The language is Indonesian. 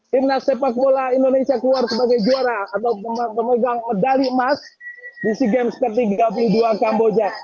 timnas sepak bola indonesia keluar sebagai juara atau pemegang medali emas di sea games ke tiga puluh dua kamboja